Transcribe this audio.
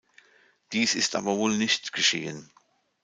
Dies ist aber wohl nicht geschehen.